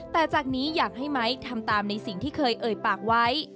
แต่จากนี้อยากให้ไม้ทำตามในสิ่งที่เคยเอ่ยปากไว้